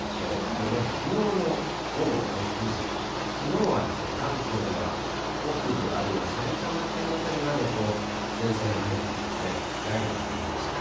これまず、きのうの午後６時、きのうは関東では北部、あるいは埼玉県辺りまで、前線が入ってきて、雷雨となりました。